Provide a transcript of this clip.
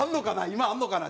今あるのかな？